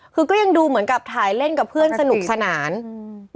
คือก็ยังดูเหมือนกับถ่ายเล่นกับเพื่อนสนุกสนานอืม